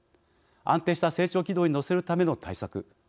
安定した成長軌道に乗せるための対策。